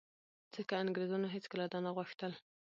ځکه انګرېزانو هېڅکله دا نه غوښتل